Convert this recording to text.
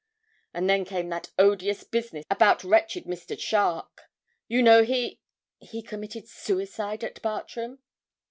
And then came that odious business about wretched Mr. Charke. You know he he committed suicide at Bartram.'